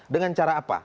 dengan cara apa